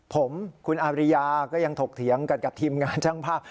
ผมคุณอาริยาก็ยังถกเถียงกันกับทีมงานช่างภาพ